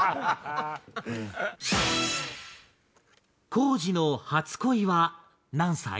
光司の初恋は何歳？